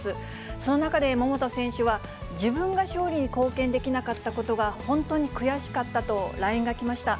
その中で、桃田選手は自分が勝利に貢献できなかったことが、本当に悔しかったとＬＩＮＥが来ました。